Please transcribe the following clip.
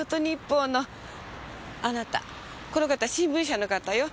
あなたこの方新聞社の方よ。